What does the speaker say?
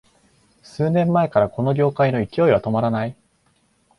数年前からこの業界の勢いは止まらない